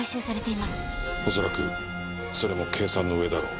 恐らくそれも計算の上だろう。